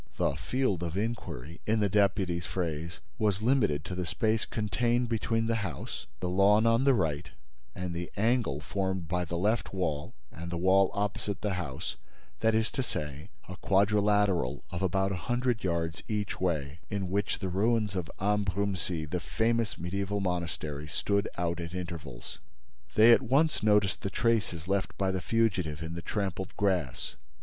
The "field of inquiry," in the deputy's phrase, was limited to the space contained between the house, the lawn on the right and the angle formed by the left wall and the wall opposite the house, that is to say, a quadrilateral of about a hundred yards each way, in which the ruins of Ambrumésy, the famous mediæval monastery, stood out at intervals. They at once noticed the traces left by the fugitive in the trampled grass.